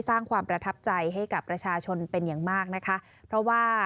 สร้างความประทับใจให้กับประชาชนเป็นอย่างมากนะคะเพราะว่า